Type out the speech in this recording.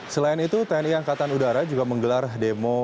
selain itu tni angkatan udara juga menggelar demo